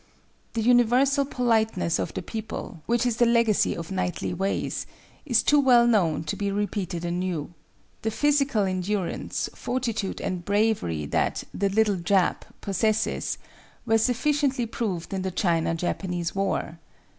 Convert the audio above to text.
The universal politeness of the people, which is the legacy of knightly ways, is too well known to be repeated anew. The physical endurance, fortitude and bravery that "the little Jap" possesses, were sufficiently proved in the China Japanese war.